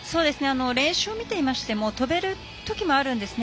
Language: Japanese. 練習を見ていましても跳べるときもあるんですね。